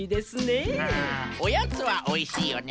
おやつはおいしいよね。